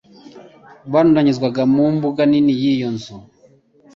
barundanyirizwaga mu mbuga nini y'iyo nzu.